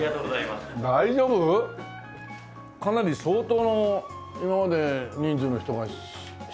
かなり相当の今まで人数の人が試食したでしょ？